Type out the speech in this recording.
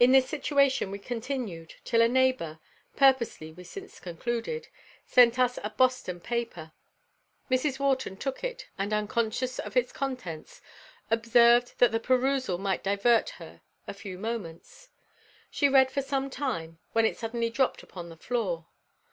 In this situation we continued till a neighbor (purposely, we since concluded) sent us a Boston paper. Mrs. Wharton took it, and unconscious of its contents, observed that the perusal might divert her a few moments. She read for some time, when it suddenly dropped upon the floor.